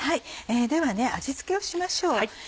では味付けをしましょう。